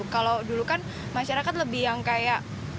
kalau dulu kan masyarakat lebih yang kayak